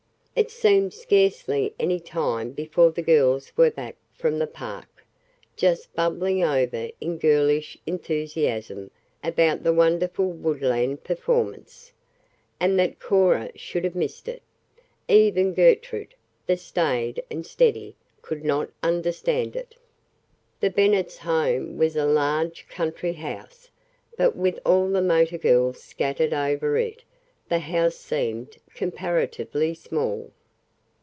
It seemed scarcely any time before the girls were back from the park, just bubbling over in girlish enthusiasm about the wonderful woodland performance. And that Cora should have missed it! Even Gertrude, the staid and steady, could not understand it. The Bennets' home was a very large country house, but with all the motor girls scattered over it the house seemed comparatively small.